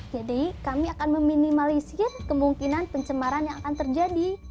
kami akan meminimalisir kemungkinan pencemaran yang akan terjadi